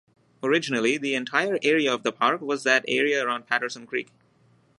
Originally, the entire area of the park was that area around Patterson Creek.